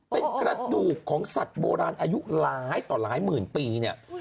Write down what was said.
เป็นกระดูกของสัตว์โบราณอายุหลายต่อหลายหมื่นปีเนี่ย